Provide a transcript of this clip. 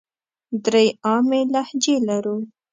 درې عامې لهجې لرو.